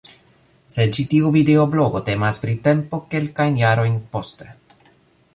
Sed ĉi tiu videoblogo temas pri tempo kelkajn jarojn poste.